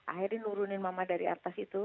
akhirnya nurunin mama dari atas itu